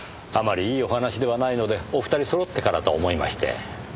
あまりいいお話ではないのでお二人そろってからと思いまして。